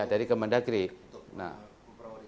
ya dari kementerian dalam negeri